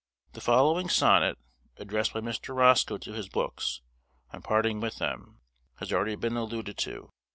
The following sonnet, addressed by Mr. Roscoe to his books, on parting with them, has already been alluded to.